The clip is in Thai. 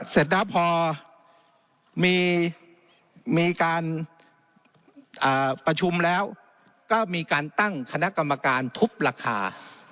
เสร็จแล้วพอมีการประชุมแล้วก็มีการตั้งคณะกรรมการทุบราคา